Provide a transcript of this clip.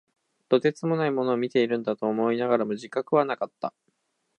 とてつもないものを見ているんだと思いながらも、自覚はなかった。